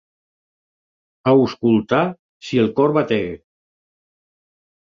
Auscultar si el cor batega.